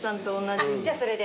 じゃあそれで。